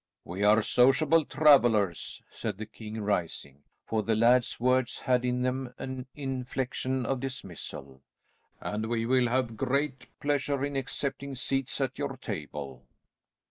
"We are sociable travellers," said the king rising, for the laird's words had in them an inflection of dismissal, "and we will have great pleasure in accepting seats at your table."